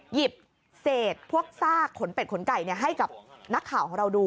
หยิบเศษพวกซากขนเป็ดขนไก่ให้กับนักข่าวของเราดู